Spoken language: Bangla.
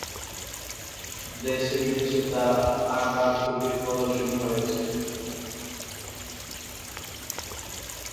দেশে বিদেশে তার আঁকা ছবির প্রদর্শনী হয়েছে।